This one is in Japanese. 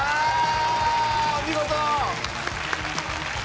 お見事！